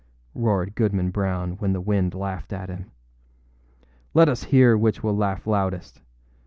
â roared Goodman Brown when the wind laughed at him. âLet us hear which will laugh loudest.